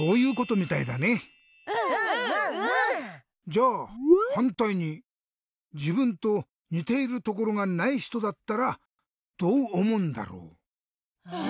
じゃあはんたいにじぶんとにているところがないひとだったらどうおもうんだろう？え？